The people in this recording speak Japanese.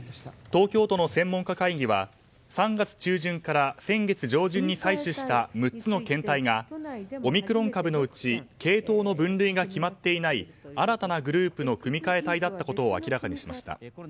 東京都の専門家会議は３月中旬から先月上旬に採取した６つの検体がオミクロン株のうち系統の分類が決まっていない新たなグループの組み換え体だったことを明らかにしました。